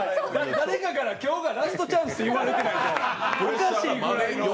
誰かから今日がラストチャンスと言われてないとおかしいよ。